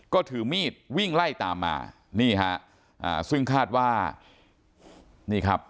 ก็ถือมีดวิ่งไล่ตามมานี่ฮะอ่าซึ่งคาดว่านี่ครับ